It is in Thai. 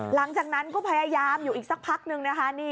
หลังจากนั้นก็พยายามอยู่อีกสักพักนึงนะคะ